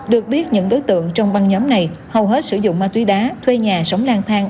được biết những đối tượng trong băng nhóm này hầu hết sử dụng ma túy đá thuê nhà sống lang thang